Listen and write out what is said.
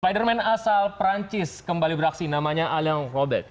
spiderman asal perancis kembali beraksi namanya alain robert